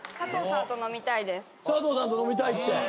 佐藤さんと飲みたいって。